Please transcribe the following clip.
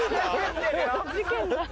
事件だ。